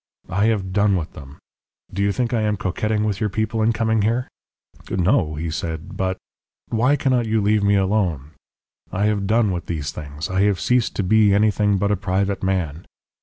'I have done with them. Do you think I am coquetting with your people in coming here?' "'No,' he said; 'but ' "'Why cannot you leave me alone? I have done with these things. I have ceased to be anything but a private man.'